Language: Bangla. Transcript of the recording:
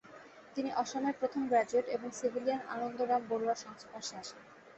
তিনি অসমের প্রথম গ্রাজুয়েট এবং সিভিলিয়ান আনন্দরাম বডুয়ার সংস্পর্শে আসেন।